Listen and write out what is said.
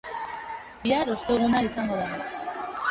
Bihar osteguna izango da.